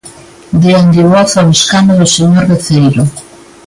Déanlle voz ao escano do señor Veceiro.